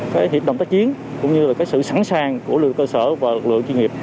cái hiệp động tác chiến cũng như là cái sự sẵn sàng của lực lượng cơ sở và lực lượng chuyên nghiệp